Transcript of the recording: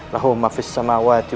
rahumma fis samawati